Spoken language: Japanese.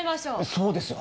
そうですよ。